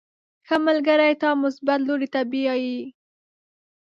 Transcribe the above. • ښه ملګری تا مثبت لوري ته بیایي.